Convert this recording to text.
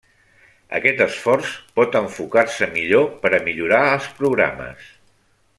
Aquest esforç pot enfocar-se millor per a millorar els programes.